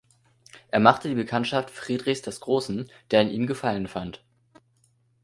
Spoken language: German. Er machte die Bekanntschaft Friedrichs des Großen, der an ihm Gefallen fand.